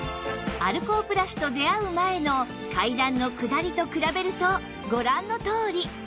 アルコープラスと出会う前の階段の下りと比べるとご覧のとおり